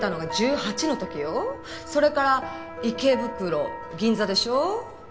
それから池袋銀座でしょ？